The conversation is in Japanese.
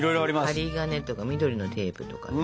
針金とか緑のテープとか。